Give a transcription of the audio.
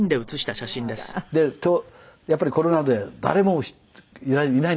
やっぱりコロナで誰もいないんですね